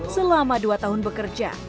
selama dua tahun bekerja